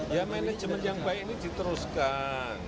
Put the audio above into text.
ya manajemen yang baik ini diteruskan